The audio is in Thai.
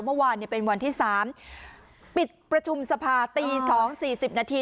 เมื่อวานเนี่ยเป็นวันที่สามปิดประชุมสภาตีสองสี่สิบนาที